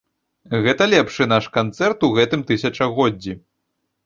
Гэта лепшы наш канцэрт у гэтым тысячагоддзі.